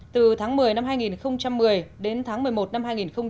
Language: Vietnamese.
từ tháng một mươi năm hai nghìn một mươi đến tháng một mươi một năm hai nghìn một mươi chín